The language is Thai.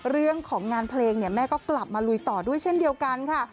เรื่องของงานเพลงเนี่ยแม่ก็กลับมาลุยต่อด้วยเช่นเดียวกันค่ะ